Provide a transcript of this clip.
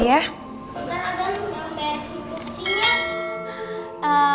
ntar agar mempersipusinya